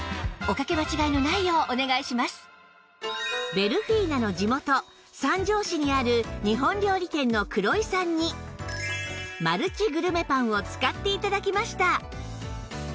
ベルフィーナの地元三条市にある日本料理店の黒井さんにマルチグルメパンを使って頂きました